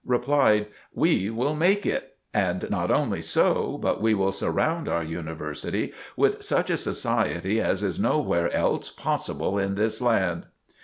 replied, "We will make it; and not only so, but we will surround our University with such a society as is nowhere else possible in this land."